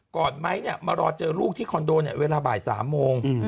ไมค์มารอเจอลูกที่คอนโดเนี่ยเวลาบ่าย๓โมง